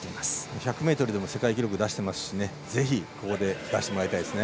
１００ｍでも世界記録出してますしぜひここで出してもらいたいです。